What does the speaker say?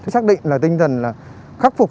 xác định là tinh thần khắc phục